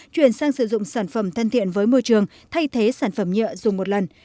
chuyển sang sử dụng sản phẩm thân thiện với môi trường thay thế sản phẩm nhựa dùng một lần